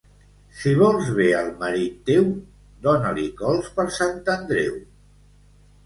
Si vols bé al marit teu, dona-li cols per Sant Andreu.